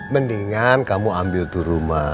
mendingan kamu ambil tuh rumah